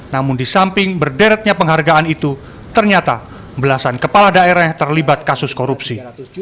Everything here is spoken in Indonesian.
namun di samping berderetnya penghargaan itu ternyata belasan kepala daerah yang terlibat kasus korupsi